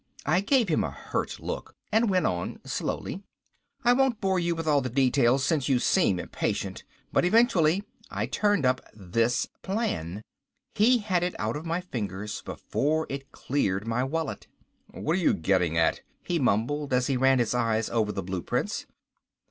I gave him a hurt look and went on slowly. "I won't bore you with all the details, since you seem impatient, but eventually I turned up this plan." He had it out of my fingers before it cleared my wallet. "What are you getting at?" he mumbled as he ran his eyes over the blueprints.